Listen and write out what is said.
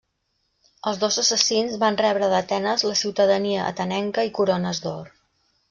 Els dos assassins van rebre d'Atenes la ciutadania atenenca i corones d'or.